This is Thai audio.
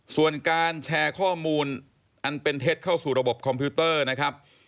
ส่วนการแชร์ข้อมูลอันเป็นเท็จเข้าสู่ระบบคอมพิวเตอร์นะครับ